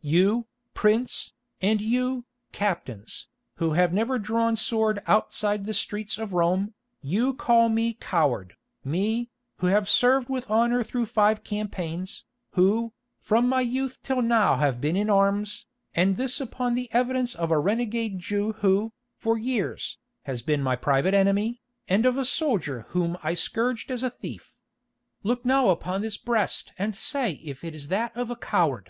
You, Prince, and you, Captains, who have never drawn sword outside the streets of Rome, you call me coward, me, who have served with honour through five campaigns, who, from my youth till now have been in arms, and this upon the evidence of a renegade Jew who, for years, has been my private enemy, and of a soldier whom I scourged as a thief. Look now upon this breast and say if it is that of a coward!"